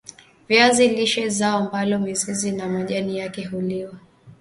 viazi lishe zao ambalo mizizi na majani yake huliwa